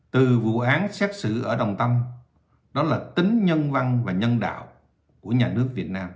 từ vụ án xét xử ở đồng tâm đó là tính nhân văn và nhân đạo của nhà nước việt nam